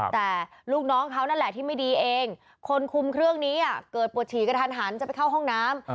แต่ลูกน้องเขานั่นแหละที่ไม่ดีเองคนคุมเครื่องนี้เกิดปวดฉี่กระทันหันจะไปเข้าห้องน้ำ